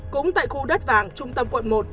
cũng tại khu đất vàng trung tâm quận một